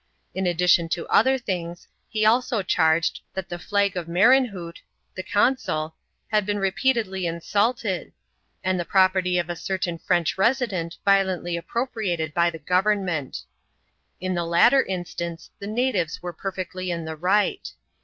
In addition to other things, he also charged, that the flag of Merenhout, the consul, had been re peatedly insulted, and the property of a certain French resident violently appropriated by the government. In the latter in stance, the natives were perfectly in the right.